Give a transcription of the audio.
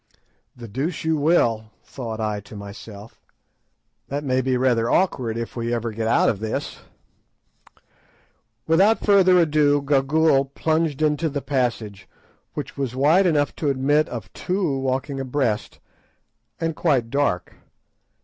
"The deuce you will!" thought I to myself; "that may be rather awkward if we ever get out of this." Without further ado Gagool plunged into the passage, which was wide enough to admit of two walking abreast, and quite dark.